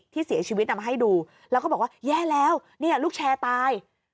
ที่เสียชีวิตนำมาให้ดูแล้วก็บอกว่าแย่แล้วเนี่ยลูกแชร์ตาย